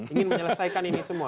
ingin menyelesaikan ini semua